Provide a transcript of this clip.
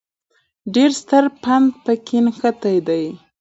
ډېر ستر پند په کې نغښتی دی